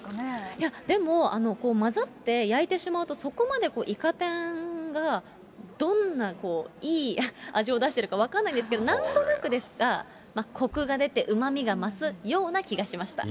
いやでも、混ざって焼いてしまうと、そこまでイカ天がどんないい味を出しているか分からないんですけど、なんとなくですが、こくが出てうまみが増すような気がしました。